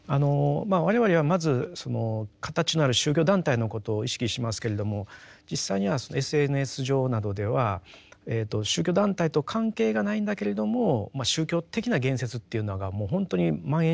我々はまず形のある宗教団体のことを意識しますけれども実際にはＳＮＳ上などでは宗教団体と関係がないんだけれども宗教的な言説っていうのがもう本当に蔓延してると思うんですよね。